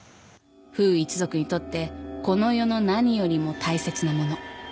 フウ一族にとってこの世の何よりも大切なもの。